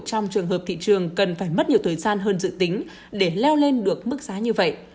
trong trường hợp thị trường cần phải mất nhiều thời gian hơn dự tính để leo lên được mức giá như vậy